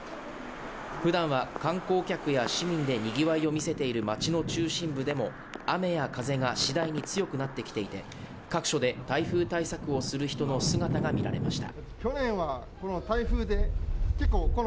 普段は観光客や市民で賑わいを見せている街の中心部でも雨や風が次第に強くなってきていて各所で台風対策をする人の姿が見られました。